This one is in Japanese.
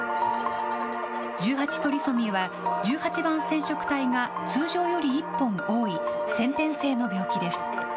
１８トリソミーは、１８番染色体が通常より１本多い、先天性の病気です。